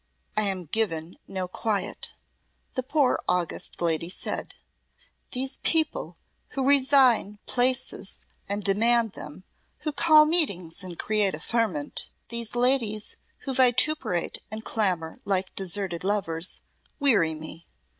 "I am given no quiet," the poor august lady said. "These people who resign places and demand them, who call meetings and create a ferment, these ladies who vituperate and clamour like deserted lovers, weary me.